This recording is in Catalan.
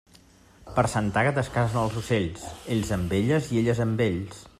Per Santa Àgueda es casen els ocells, ells amb elles i elles amb ells.